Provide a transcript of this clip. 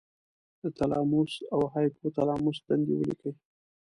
د تلاموس او هایپو تلاموس دندې ولیکئ.